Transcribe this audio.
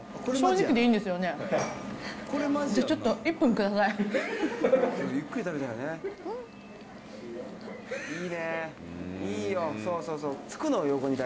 じゃあ、ちょっと、１分下さい。